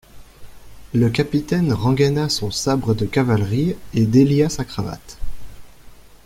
Le capitaine rengaina son sabre de cavalerie, et délia sa cravate.